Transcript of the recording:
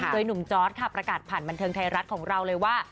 โดยหนุ่มจอร์ดค่ะประกาศผ่านบันเทิงไทยรัฐของเราเลยว่า